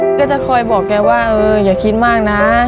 ก็จะคอยบอกแกว่าเอออย่าคิดมากนะ